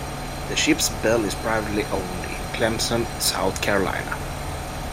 The ship's bell is privately owned in Clemson, South Carolina.